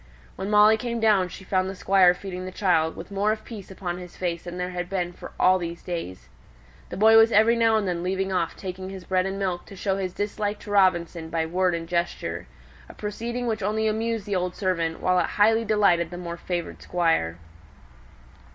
When Molly came down she found the Squire feeding the child, with more of peace upon his face than there had been for all these days. The boy was every now and then leaving off taking his bread and milk to show his dislike to Robinson by word and gesture: a proceeding which only amused the old servant, while it highly delighted the more favoured Squire.